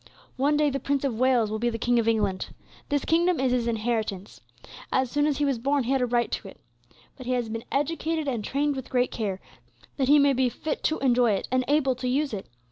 One day, the Prince of Wales will be the King of England. This kingdom is his inheritance. As soon as he was born, he had a right to it. But he has been educated and trained with great care, that he may be meet for the inheritance, that he may be fit to enjoy it, and able to use it.